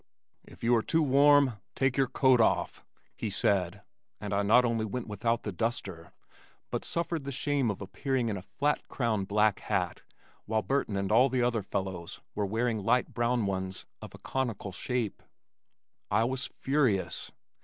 "If you are too warm, take your coat off," he said, and I not only went without the duster, but suffered the shame of appearing in a flat crown black hat while Burton and all the other fellows were wearing light brown ones, of a conical shape. I was furious.